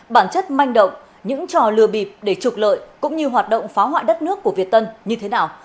bản chất manh động những trò lừa bịp để trục lợi cũng như hoạt động phá hoại đất nước của việt tân như thế nào